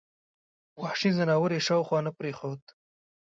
وحشي ځناور یې شاوخوا نه پرېښود.